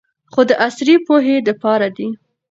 خو د عصري پوهې د پاره دې